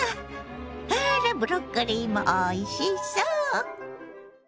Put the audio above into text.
あらブロッコリーもおいしそう。